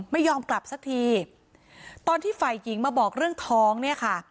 ไม่ยอมกลับสักทีตอนที่ฝ่ายหญิงมาบอกเรื่องท้องเนี่ยค่ะ